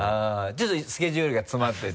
ちょっとスケジュールが詰まってて？